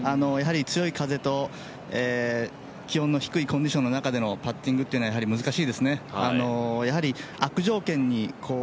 やはり強い風と気温の低いコンディションの中でのパッティングというのは難しいですね。